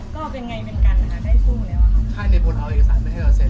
ก็เป็นไงเหมือนกันอ่ะได้ฟูมิแล้วอ่ะครับท่ายในบนเอาเอกสารไม่ให้เราเสร็จ